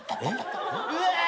うわ！